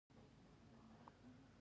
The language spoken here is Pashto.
آیا لویې بیړۍ بندرونو ته نه راځي؟